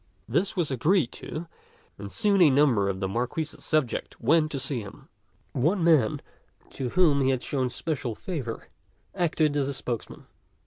This was agreed to, and soon a number of the Marquis's subjects went to see him. One man to whom he had shown special favor acted as spokesman.